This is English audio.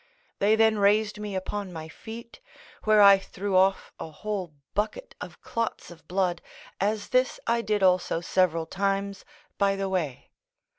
They then raised me upon my feet, where I threw off a whole bucket of clots of blood, as this I did also several times by the way.